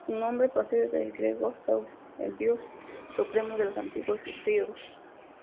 Su nombre procede del griego "Zeus", el dios supremo de los antiguos griegos.